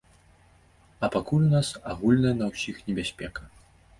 А пакуль у нас агульная на ўсіх небяспека.